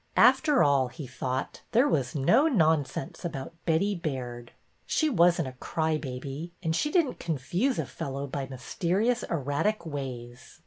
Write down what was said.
After all, he thought, there was no nonsense about Betty Baird. She was n't a cry baby, and she did n't confuse a fellow by mysterious, erratic ways.